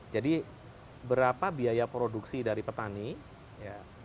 jadi berapa biaya produksi dari petani ya